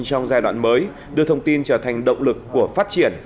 trong giai đoạn mới đưa thông tin trở thành động lực của phát triển